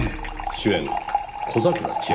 「主演小桜千明」